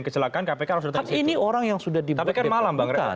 kecelakaan kpk harus datang ke situ